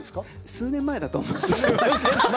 数年前だと思います。